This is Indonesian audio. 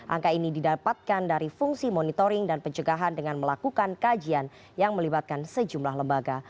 angka ini didapatkan dari fungsi monitoring dan pencegahan dengan melakukan kajian yang melibatkan sejumlah lembaga